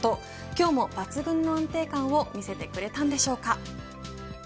今日も抜群の安定感を見せてくれたんでしょうか。